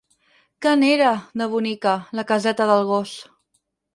Que n'era, de bonica, la caseta del gos!